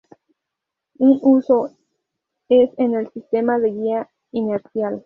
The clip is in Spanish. Un uso es en el sistema de guía inercial.